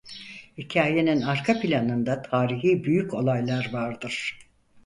Hikâyenin arkaplanında tarihi büyük olaylar vardır.